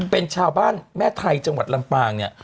เป็นชาวบ้านแม่ไทยจังหวัดลำปางเนี่ย